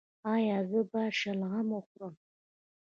ایا زه باید شلغم وخورم؟